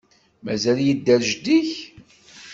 Mazal yedder jeddi-k?